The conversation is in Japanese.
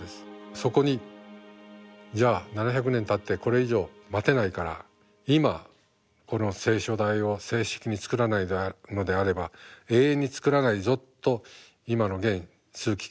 そこに「じゃあ７００年たってこれ以上待てないから今この聖書台を正式に作らないのであれば永遠に作らないぞ」と今の現・枢機卿が決められた。